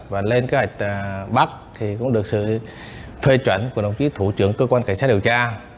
và lên kế hoạch bắt thì cũng được sự phê chuẩn của đồng chí thủ trưởng cơ quan cảnh sát điều tra